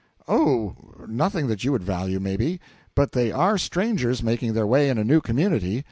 Oh, nothing that you would value, maybe. But they are strangers making their way in a new community.